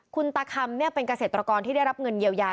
คุณตาคำเป็นเกษตรกรที่ได้รับเงินเยียวยา